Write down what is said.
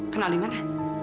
kenal di mana